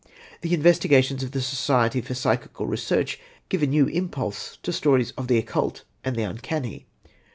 The investigations of the Society for Psychical Research gave a new impulse to stories of the occult and the uncanny.